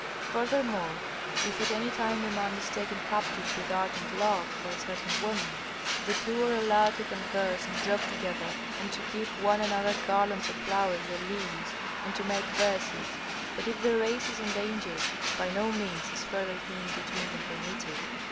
Furthermore, if at any time a man is taken captive with ardent love for a certain woman, the two are allowed to converse and joke together and to give one another garlands of flowers or leaves, and to make verses. But if the race is endangered, by no means is further union between them permitted.